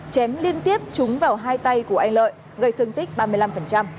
chém liên tiếp trúng vào hai tay của anh lợi gây thương tích ba mươi năm